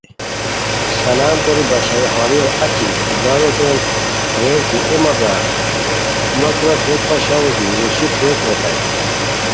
سلام کوری بشاراحوالیار اچی ہے ای براروتین ریر کی اے برار مہ کورا تھوویک پاشاوے کی روسی تھوویک ریتائے